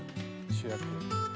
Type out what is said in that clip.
主役。